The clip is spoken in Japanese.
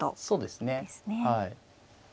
そうですねはい。